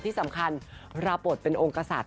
ที่สำคัญรับบทเป็นองค์กษัตริย